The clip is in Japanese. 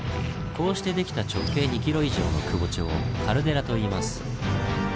こうしてできた直径２ｋｍ以上のくぼ地を「カルデラ」といいます。